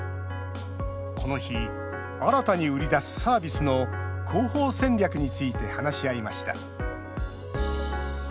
この日、新たに売り出すサービスの広報戦略について話し合いました。